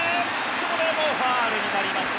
これもファウルになりました。